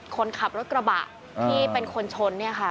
คนขับรถกระบะที่เป็นคนชนเนี่ยค่ะ